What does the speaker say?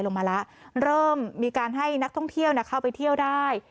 ลงมาแล้วเริ่มมีการให้นักท่องเที่ยวเข้าไปเที่ยวได้